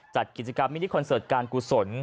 จัดกิจกรรมมินิคอนเสิร์ตการกุศล